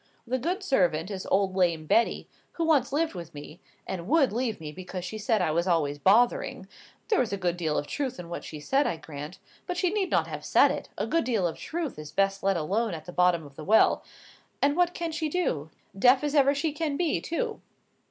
The only servant is old lame Betty, who once lived with me, and would leave me because she said I was always bothering—(there was a good deal of truth in what she said, I grant, but she need not have said it; a good deal of truth is best let alone at the bottom of the well), and what can she do,—deaf as ever she can be, too?"